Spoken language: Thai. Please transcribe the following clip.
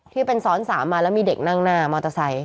ที่เป็นซ้อน๓มาแล้วมีเด็กนั่งหน้ามอเตอร์ไซค